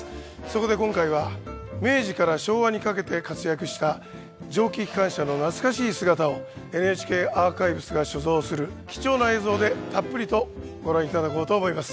そこで今回は明治から昭和にかけて活躍した蒸気機関車の懐かしい姿をＮＨＫアーカイブスが所蔵する貴重な映像でたっぷりとご覧いただこうと思います。